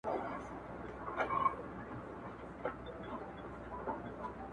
توري بڼي دي په سره لمر کي ځليږي-